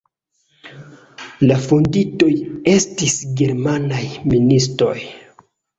La fondintoj estis germanaj ministoj.